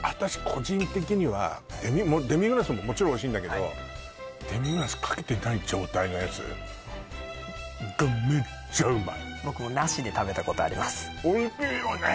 個人的にはデミグラスももちろんおいしいんだけどデミグラスかけてない状態のやつがめっちゃうまい僕もなしで食べたことありますおいしいよね！